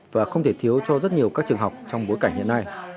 và không thể thiếu cho rất nhiều các trường học trong bối cảnh hiện nay